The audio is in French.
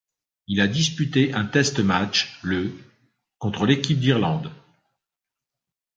Il a disputé un test match le contre l'équipe d'Irlande.